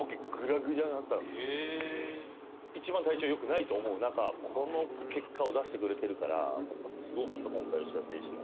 一番体調良くないと思う中この結果を出してくれてるからやっぱすごかった今回吉田選手も。